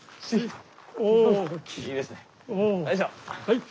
はい！